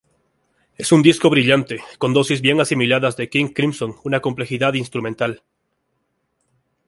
Es un disco brillante, con dosis bien asimiladas de King Crimson y complejidad instrumental.